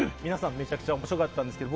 めちゃくちゃ面白かったですけど